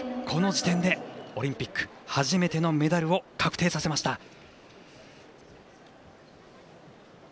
この時点で、オリンピック初めてのメダルを確定させました。